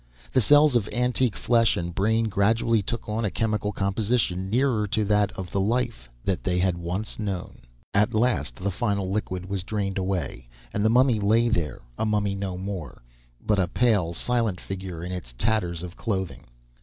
The cells of antique flesh and brain gradually took on a chemical composition nearer to that of the life that they had once known. At last the final liquid was drained away, and the mummy lay there, a mummy no more, but a pale, silent figure in its tatters of clothing.